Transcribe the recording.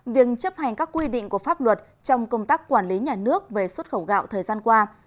việc chấp hành các quy định của pháp luật trong công tác quản lý nhà nước về xuất khẩu gạo thời gian qua